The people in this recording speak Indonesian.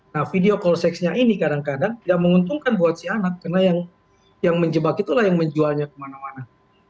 nah video call sexnya ini kadang kadang tidak menguntungkan buat si anak karena yang menjebak itulah yang menjualnya kemana mana